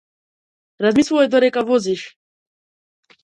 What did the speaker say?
Размислувај додека возиш.